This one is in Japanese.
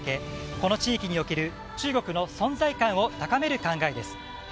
この地域における中国の存在感を高める考えです。